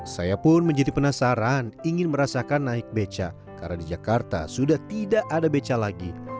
saya pun menjadi penasaran ingin merasakan naik beca karena di jakarta sudah tidak ada beca lagi